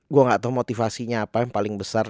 gue gak tau motivasinya apa yang paling besar